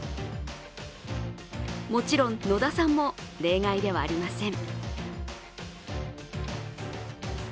もちろん野田さんも例外ではありません。